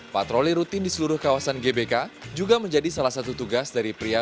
patroli rutin di seluruh kawasan gbk juga menjadi salah satu tugas dari pria